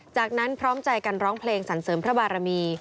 จากนั้นพร้อมใจกันร้องเพลงสรรเสริมพระบารมี